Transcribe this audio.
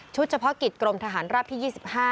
เฉพาะกิจกรมทหารราบที่๒๕